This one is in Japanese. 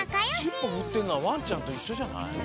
しっぽふってるのはワンちゃんといっしょじゃない？ねえ。